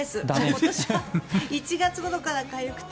今年は１月ごろからかゆくて